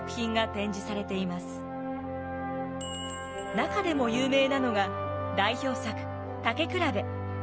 中でも有名なのが代表作「たけくらべ」。